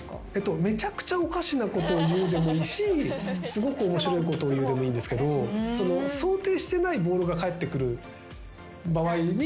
めちゃくちゃおかしなことを言うでもいいしすごく面白いことを言うでもいいんですけど想定してないボールが返ってくる場合に。